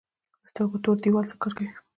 د سترګو تور دیوال څه کار کوي؟